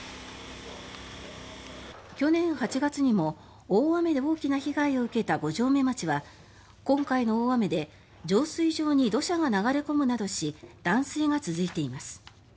去年８月にも大雨で大きな被害を受けた五城目町では今回の大雨で浄水場に土砂が流れ込むなどし断水が続いています。